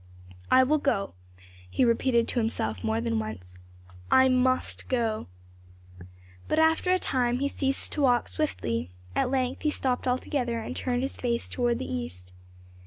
"I will go," he repeated to himself more than once. "I must go." But after a time he ceased to walk swiftly; at length he stopped altogether and turned his face toward the East.